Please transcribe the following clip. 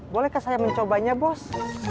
bolehkah saya mencobanya bos